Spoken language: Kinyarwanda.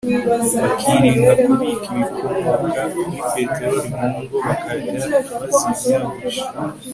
bakirinda kubika ibikomoka kuri peterori mu ngo; bakajya bazimya buji